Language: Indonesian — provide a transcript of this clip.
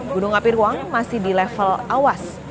gunung api ruang masih di level awas